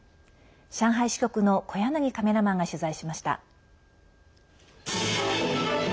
上海支局の小柳カメラマンが取材しました。